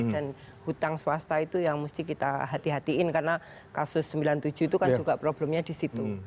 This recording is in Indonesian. dan utang swasta itu yang mesti kita hati hatiin karena kasus sembilan puluh tujuh itu kan juga problemnya di situ